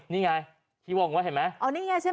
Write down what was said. นี่ไงที่วงไว้เห็นไหม